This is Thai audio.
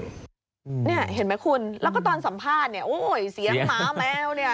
เนี่ยเห็นไหมคุณแล้วก็ตอนสัมภาษณ์เนี่ยโอ้ยเสียงหมาแมวเนี่ย